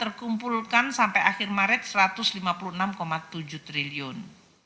terkumpulkan sampai akhir maret rp satu ratus lima puluh enam tujuh triliun